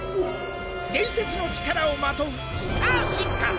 伝説の力をまとうスター進化。